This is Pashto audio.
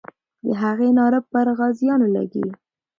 د هغې ناره پر غازیانو لګي.